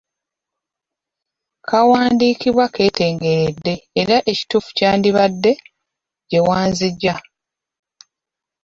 Kawandiikibwa keetengeredde era ekituufu kyandibadde 'gye wanzigya'.